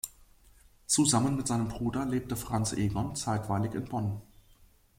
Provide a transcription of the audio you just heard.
Zusammen mit seinem Bruder lebte Franz Egon zeitweilig in Bonn.